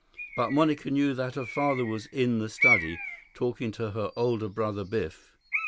But Monica knew that her father was in the study, talking to her older brother Biff.